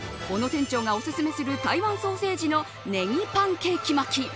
小野店長がおすすめする台湾ソーセージのネギパンケーキ巻き。